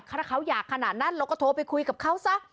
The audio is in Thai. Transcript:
ถ้าเขาอยากขนาดนั้นเราก็โทรไปคุยกับเขาซะ